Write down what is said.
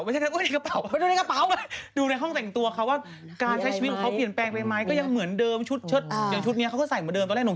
เป็นไปได้ไหมว่าจริงแล้วเนี่ยคนที่ท้องเนี่ยเขาจะถือกัน